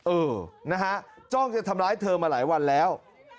เออนะฮะจ้องจะทำร้ายเธอมาหลายวันแล้ว